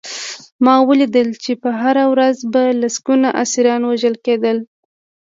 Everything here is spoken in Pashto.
ما ولیدل چې هره ورځ به لسګونه اسیران وژل کېدل